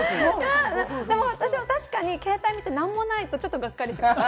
私は確かに携帯見て何もないと、ちょっとがっかりします。